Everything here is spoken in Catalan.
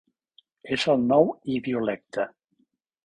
És el nou idiolecte.